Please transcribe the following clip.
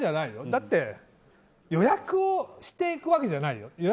だって、予約をしていくわけじゃないよ。